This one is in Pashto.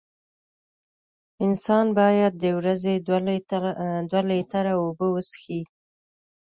انسان باید د ورځې دوه لېټره اوبه وڅیښي.